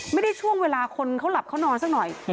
ช่วงเวลาคนเขาหลับเขานอนสักหน่อย